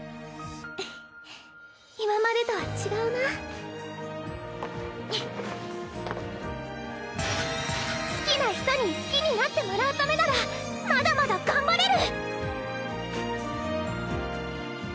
今までとは違うな好きな人に好きになってもらうためならまだまだ頑張れる！